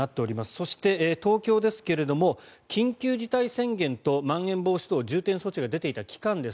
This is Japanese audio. そして東京ですが緊急事態宣言とまん延防止等重点措置が出ていた期間です